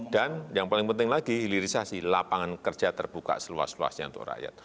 dan yang paling penting lagi hilirisasi lapangan kerja terbuka seluas luasnya untuk rakyat